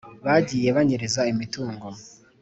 bagiye banyereza imitungo